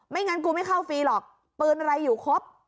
งั้นกูไม่เข้าฟรีหรอกปืนอะไรอยู่ครบ